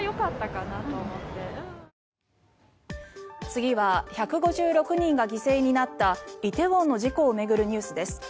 次は１５６人が犠牲になった梨泰院の事故を巡るニュースです。